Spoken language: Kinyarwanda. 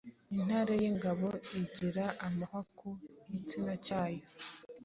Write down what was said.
Intare y’ingabo igira amahwa ku gitsina cyayo